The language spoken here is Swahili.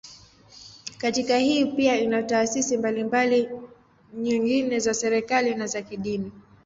Kata hii pia ina taasisi mbalimbali nyingine za serikali, na za kidini.